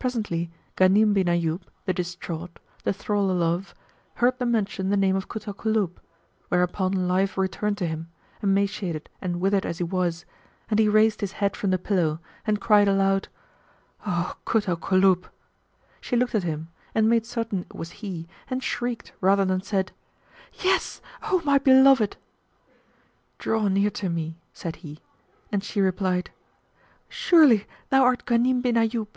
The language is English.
Presently Ghanim bin Ayyub, the Distraught, the Thrall o' Love, heard them mention the name of Kut al Kulub; whereupon life returned to him, emaciated and withered as he was, and he raised his head from the pillow and cried aloud, "O Kut al Kulub!" She looked at him and made certain it was he and shrieked rather than said, "Yes, O my beloved!" "Draw near to me;" said he, and she replied, "Surely thou art Ghanim bin Ayyub?"